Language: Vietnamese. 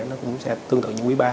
nó cũng sẽ tương tự như quý ba